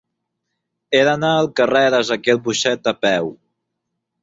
He d'anar al carrer d'Ezequiel Boixet a peu.